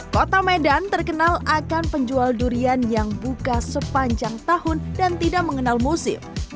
kota medan terkenal akan penjual durian yang buka sepanjang tahun dan tidak mengenal musim